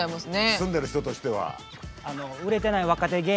住んでる人としては。